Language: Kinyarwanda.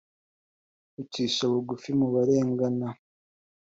ucisha bugufi mu barengana